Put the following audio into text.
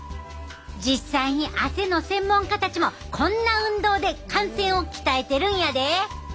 実際に汗の専門家たちもこんな運動で汗腺を鍛えてるんやで。